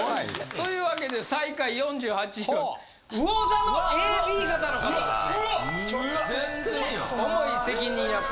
・というわけで最下位４８位うお座のＡＢ型の方ですね。